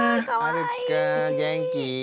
はるきくん元気？